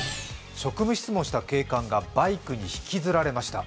職務質問した警官がバイクに引きずられました。